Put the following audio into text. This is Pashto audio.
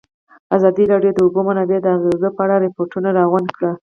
ازادي راډیو د د اوبو منابع د اغېزو په اړه ریپوټونه راغونډ کړي.